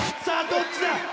さあどっちだ？